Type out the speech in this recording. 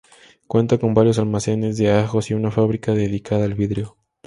Cuenta con varios almacenes de ajos y una fábrica dedicada al vidrio.